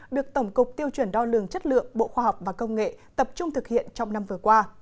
được tổng cục tiêu chuẩn đo lường chất lượng bộ khoa học và công nghệ tập trung thực hiện trong năm vừa qua